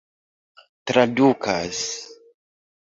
tradukas